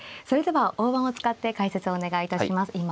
それでは大盤を使って解説お願いいたします。